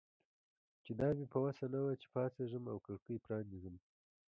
چې دا مې په وسه نه وه چې پاڅېږم او کړکۍ پرانیزم.